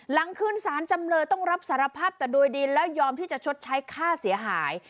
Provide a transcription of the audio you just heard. หลังขึ้นสารจำเลยต้องรับสารภาพแต่โดยดีแล้วยอมที่จะชดใช้ค่าเสียหาย